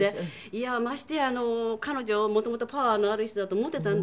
いやましてや彼女元々パワーのある人だと思っていたんですけど。